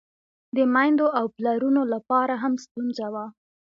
د میندو او پلرونو له پاره هم ستونزه وه.